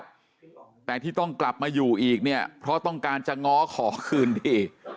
แต่ที่ต้องกลับมาอยู่อีกเนี่ยเพราะต้องการจะง้อขอคืนดี